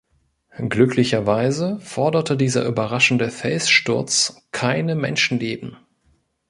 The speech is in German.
Glücklicherweise forderte dieser überraschende Felssturz keine Menschenleben.